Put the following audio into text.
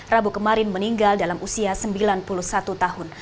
rabu kemarin meninggal dalam usia sembilan puluh satu tahun